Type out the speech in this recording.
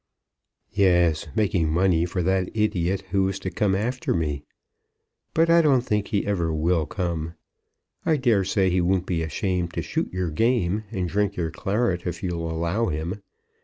"Yes, making money for that idiot, who is to come after me. But I don't think he ever will come. I dare say he won't be ashamed to shoot your game and drink your claret, if you'll allow him.